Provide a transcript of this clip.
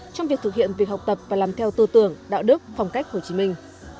trong việc thực hiện việc học tập và làm theo tư tưởng đạo đức phong cách hồ chí minh